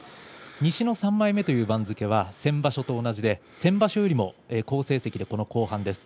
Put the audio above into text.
西の３枚目という番付は先場所と同じで先場所よりも好成績でこの後半です。